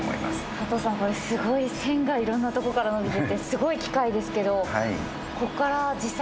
加藤さんこれすごい線がいろんなとこからのびててすごい機械ですけど。